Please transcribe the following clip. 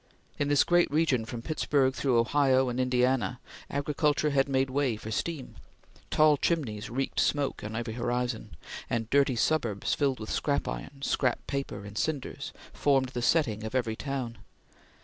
In this great region from Pittsburgh through Ohio and Indiana, agriculture had made way for steam; tall chimneys reeked smoke on every horizon, and dirty suburbs filled with scrap iron, scrap paper and cinders, formed the setting of every town.